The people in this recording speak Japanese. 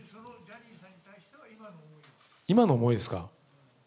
今の思いですか？